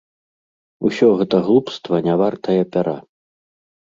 Усё гэта глупства, не вартае пяра.